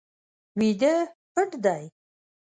ویده پټ دی